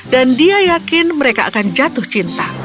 dan dia yakin mereka akan jatuh cinta